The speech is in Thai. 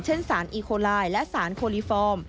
เช่นสารอีโคลายและสารโคลิฟอร์ม